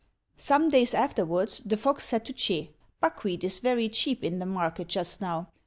Some days afterwards the fox said to Ch'ê, "Buckwheat is very cheap in the market just now.